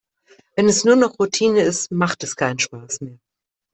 Wenn es nur noch Routine ist, macht es keinen Spaß mehr.